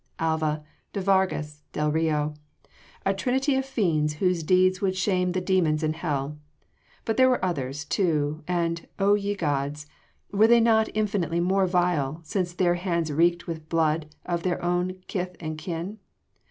Alva! de Vargas! del Rio! A trinity of fiends whose deeds would shame the demons in hell! But there were others too, and, O ye gods! were they not infinitely more vile, since their hands reeked with the blood of their own kith and kin?